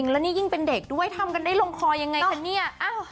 แล้วนี่ยิ่งเป็นเด็กด้วยทำกันได้ลงคอยังไงคะเนี่ย